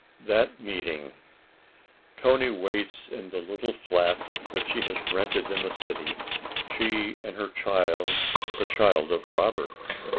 That meeting!... Toni waits in the little flat that she has rented in the city—she and her child, the child of Robert.